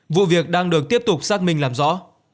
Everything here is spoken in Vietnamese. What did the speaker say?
vụ việc đang được tiếp tục xác minh làm rõ